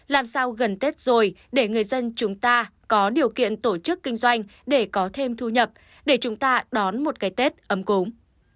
làm sao gần tết rồi để người dân chúng ta có điều kiện tổ chức kinh doanh để có thêm thu nhập để chúng ta đón một cái tết ấm cúng